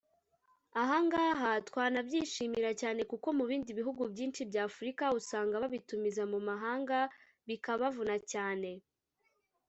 Ahangaha twanabyishimira cyane kuko mu bindi bihugu byinshi by’Afurika usanga babitumiza mu mahanga bikbavuna cyane”